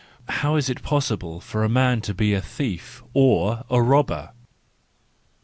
How is it possible for a man to be a thief or a robber ?